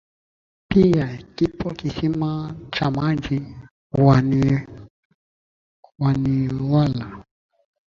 pia kipo kisima cha maji wa Newala